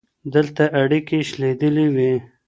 دلته اړيکي شلېدلي وي.